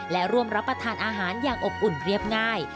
และร่วมรับประทานอาหารอย่างอบอุ่นเรียบง่าย